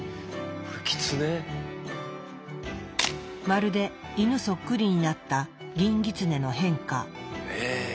まるでイヌそっくりになったギンギツネの変化。